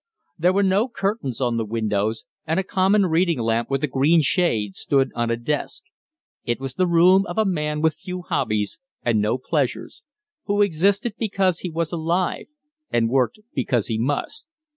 There were no curtains on the windows, and a common reading lamp with a green shade stood on a desk. It was the room of a man with few hobbies and no pleasures who existed because he was alive, and worked because he must.